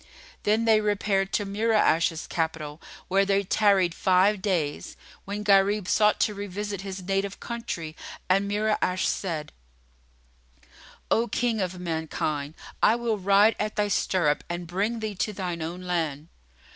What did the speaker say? Then they repaired to Mura'ash's capital, where they tarried five days, when Gharib sought to revisit his native country and Mura'ash said, "O King of mankind, I will ride at thy stirrup and bring thee to thine own land."